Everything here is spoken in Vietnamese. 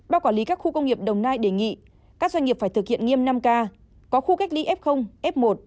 bác quản lý các khu công nghiệp đồng nai đề nghị các doanh nghiệp phải thực hiện nghiêm năm k có khu cách ly f f một